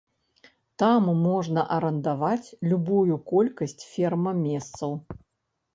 Там можна арандаваць любую колькасць ферма-месцаў.